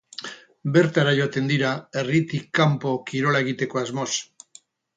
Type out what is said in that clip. Bertara joaten dira, herritik kanpo kirola egiteko asmoz.